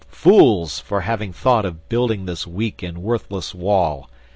Fools, for having thought of building this weak and worthless wall.